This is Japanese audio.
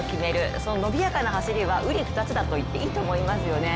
その伸びやかな走りはうり二つだといっていいと思いますね。